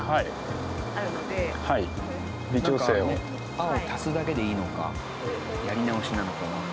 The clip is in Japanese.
青を足すだけでいいのかやり直しなのかが。